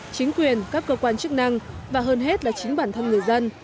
chính quyền các cơ quan chức năng và hơn hết là chính bản thân người dân